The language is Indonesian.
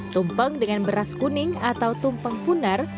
tumpeng dengan beras kuning atau tumpeng punar